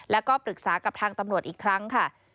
แล้วก็ปรึกษากับทางตำรวจอีกครั้งค่ะ